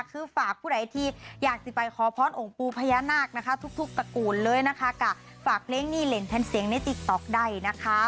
คือฝากผู้ใดที่อยากจะไปขอพรองปูพญานาคทุกตระกูลเลยกลายฝากเพลงนี่เล่นแทนเสียงในติคต๊อกได้นะคะ